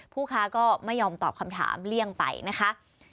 ผู้ค้าก็ไม่ยอมตอบคำถามเลี่ยงไปนะคะ